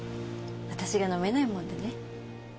私が飲めないもんでね。